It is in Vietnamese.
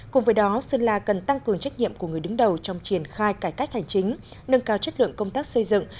cùng với đó sơn la cần tăng cường trách nhiệm của người đứng đầu trong triển khai cải cách hành chính nâng cao chất lượng công tác xây dựng